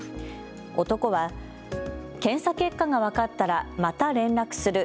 男は、検査結果が分かったらまた連絡する。